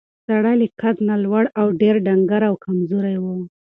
سړی له قد نه لوړ او ډېر ډنګر او کمزوری و.